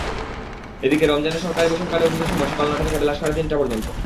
এদিকে রমজানে সরকারি-বেসরকারি অফিসের সময় সকাল নয়টা থেকে বেলা সাড়ে তিনটা পর্যন্ত।